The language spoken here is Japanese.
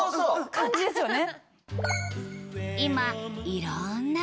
感じですよね。